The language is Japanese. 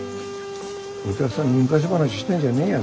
お客さんに昔話してんじゃねえよ。